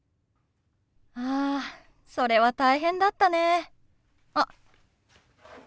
あそれは大変だったね。あっ。